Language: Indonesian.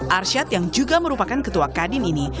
arsyad yang juga merupakan ketua kadin ini